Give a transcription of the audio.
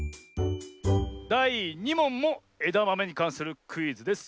だい２もんもえだまめにかんするクイズです。